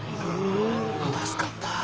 助かった。